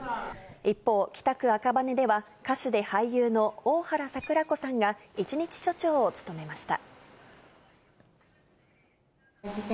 一方、北区・赤羽では、歌手で俳優の大原櫻子さんが１日署長を務めました。